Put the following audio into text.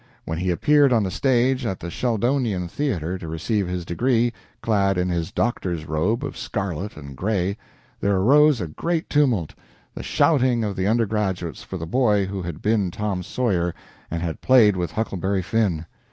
When he appeared on the stage at the Sheldonian Theater to receive his degree, clad in his doctor's robe of scarlet and gray, there arose a great tumult the shouting of the undergraduates for the boy who had been Tom Sawyer and had played with Huckleberry Finn.